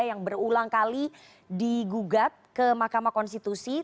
yang berulang kali digugat ke mahkamah konstitusi